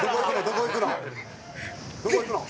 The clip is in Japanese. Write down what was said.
「どこ行くの？」